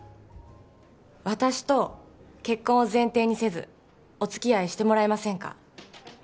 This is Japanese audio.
私と結婚を前提にせずおつきあいしてもらえませんか？